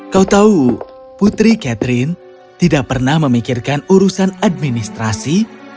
kau tahu putri catherine tidak pernah memikirkan urusan administrasi